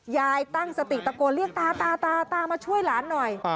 ยายตั้งสติตะโกนเรียกตาตามาช่วยหลานหน่อย